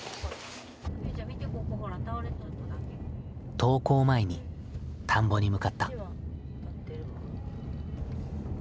登校前に田んぼに向かった。